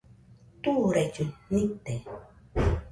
Turaillu nite